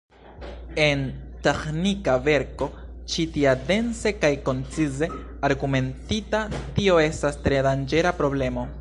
En teĥnika verko ĉi tia, dense kaj koncize argumentita, tio estas tre danĝera problemo.